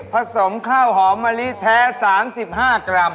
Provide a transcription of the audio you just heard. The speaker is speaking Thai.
สมข้าวหอมมะลิแท้๓๕กรัม